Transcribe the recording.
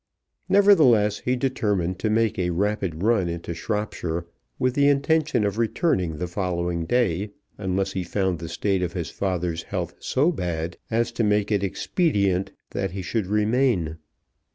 Nevertheless he determined to make a rapid run into Shropshire, with the intention of returning the following day, unless he found the state of his father's health so bad as to make it expedient that he should remain.